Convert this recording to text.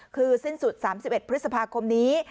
คือสิ้นสุด๓๑พฤษภาคมนี้